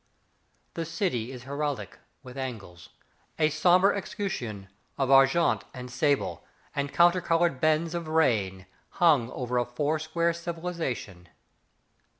The city is heraldic with angles, A sombre escutcheon of argent and sable And countercoloured bends of rain Hung over a four square civilization.